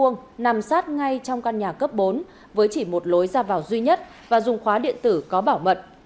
nằm sát ngay trong căn nhà cấp bốn với chỉ một lối ra vào duy nhất và dùng khóa điện tử có bảo mật